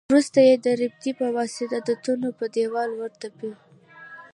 وروسته یې د رپېدې په واسطه د تنور په دېوال ورتپي.